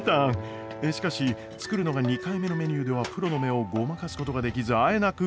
しかし作るのが２回目のメニューではプロの目をごまかすことができずあえなく。